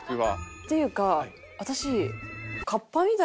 っていうか私。